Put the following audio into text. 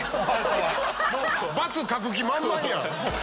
バツ書く気満々やん。